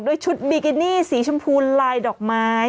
ด้วยชุดบิกินี่สีชมพูลายดอกไม้